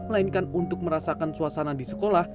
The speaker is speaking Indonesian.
melainkan untuk merasakan suasana di sekolah